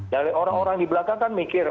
dari orang orang di belakang kan mikir